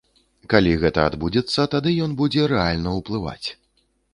Калі гэта адбудзецца, тады ён будзе рэальна ўплываць.